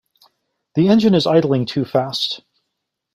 The engine is idling too fast.